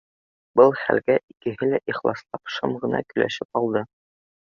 Был хәлгә икеһе лә ихласлап шым ғына көлөшөп алды